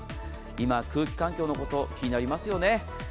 今、空気環境のこと気になりますよね。